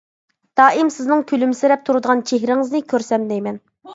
دائىم سىزنىڭ كۈلۈمسىرەپ تۇرىدىغان چېھرىڭىزنى كۆرسەم دەيمەن.